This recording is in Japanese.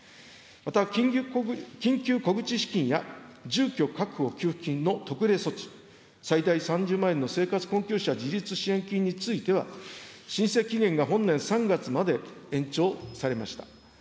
また、緊急小口資金や住居確保給付金の特例措置、最大３０万円の生活困窮者自立支援金については、申請期限が本年３月末まで延長されました。